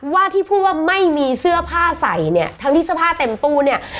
ว่าที่พูดว่าไม่มีเสื้อผ้าใส่เนี่ยทั้งที่เสื้อผ้าเต็มตู้เนี่ย